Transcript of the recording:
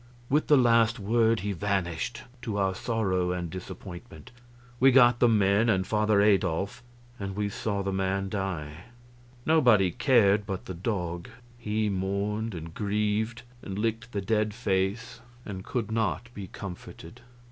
With the last word he vanished, to our sorrow and disappointment. We got the men and Father Adolf, and we saw the man die. Nobody cared but the dog; he mourned and grieved, and licked the dead face, and could not be comforted.